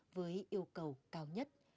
với yêu cầu cao nhất